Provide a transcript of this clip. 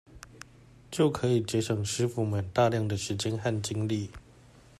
就可以節省師傅們大量的時間和精力